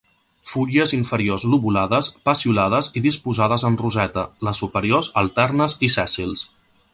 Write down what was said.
Fulles inferiors lobulades, peciolades i disposades en roseta, les superiors alternes i sèssils.